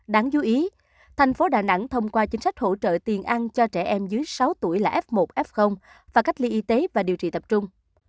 đáng chú ý thành phố đà nẵng thông qua chính sách hỗ trợ tiền ăn cho trẻ em dưới sáu tuổi là f một f và cách ly y tế và điều trị tập trung